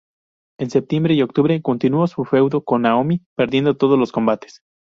En septiembre y octubre continuo su feudo con Naomi, perdiendo todos los combates.